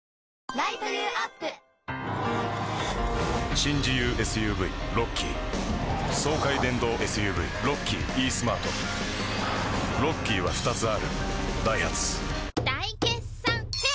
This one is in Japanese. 新自由ＳＵＶロッキー爽快電動ＳＵＶロッキーイースマートロッキーは２つあるダイハツ大決算フェア